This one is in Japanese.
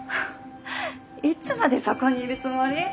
いつまでそこにいるつもり？